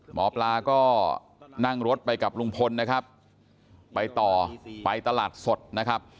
หมอปลาก็นั่งรถไปกับลุงพลนะครับไปต่อไปตลาดสดนะครับ